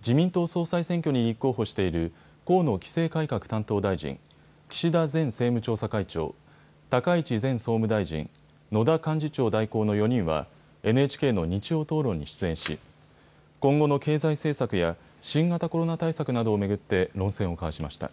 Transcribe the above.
自民党総裁選挙に立候補している河野規制改革担当大臣、岸田前政務調査会長、高市前総務大臣、野田幹事長代行の４人はＮＨＫの日曜討論に出演し、今後の経済政策や、新型コロナ対策などを巡って論戦を交わしました。